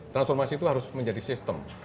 transformasi itu harus menjadi sistem